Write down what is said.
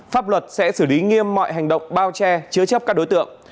pháp luật sẽ xử lý nghiêm mọi hành động bao che chứa chấp các đối tượng